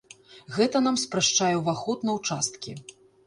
Гэта нам спрашчае ўваход на ўчасткі.